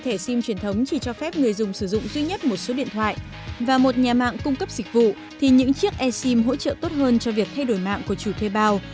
e sim hỗ trợ tốt hơn cho việc thay đổi mạng của chủ thuê bao